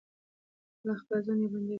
ملا خپل ځان یوازې موندلی دی.